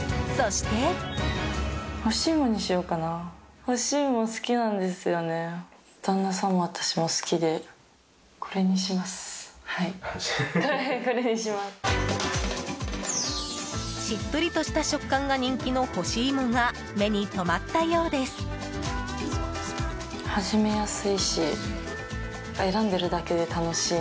しっとりとした食感が人気の干し芋が目にとまったようです。